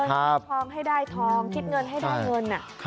คิดทองให้ได้ทองคิดเงินให้ได้เงิน